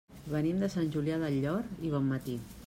Venim de Sant Julià del Llor i Bonmatí.